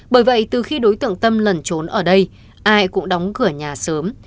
bởi vậy từ khi đối tượng tâm lẩn trốn ở đây ai cũng đóng cửa nhà sớm